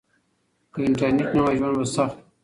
که انټرنيټ نه وای ژوند به سخت و.